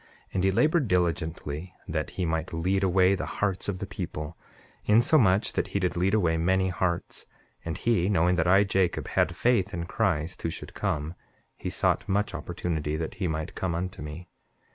7:3 And he labored diligently that he might lead away the hearts of the people, insomuch that he did lead away many hearts; and he knowing that I, Jacob, had faith in Christ who should come, he sought much opportunity that he might come unto me.